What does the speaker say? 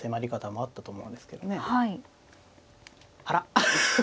あら！